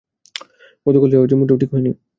গতকাল যা হয়েছে মোটেও ঠিক হয়নি।